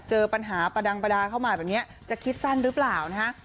เจอปัญหาประดังประดาเข้ามาแบบนี้จะคิดสั้นหรือเปล่านะฮะ